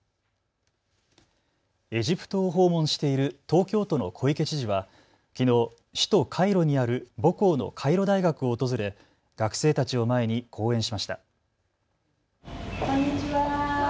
エジプトを訪問している東京都の小池知事はきのう、首都カイロにある母校のカイロ大学を訪れ学生たちを前に講演しました。